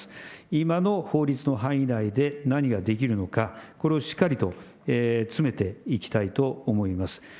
今の法律の範囲内で何ができるのか、これをしっかりと詰めていきたいと思います。